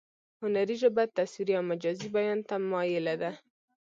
هنري ژبه تصویري او مجازي بیان ته مایله ده